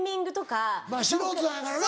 まぁ素人さんやからな。